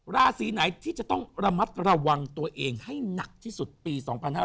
ราศีไหนที่จะต้องระมัดระวังตัวเองให้หนักที่สุดปี๒๕๕๙